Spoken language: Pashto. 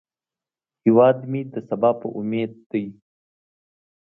هیواد مې د سبا امید دی